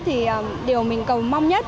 thì điều mình cầu mong nhất